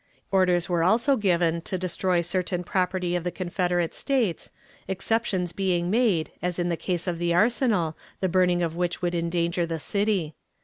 Orders were also given to destroy certain property of the Confederate States, exceptions being made as in the case of the arsenal, the burning of which would endanger the city.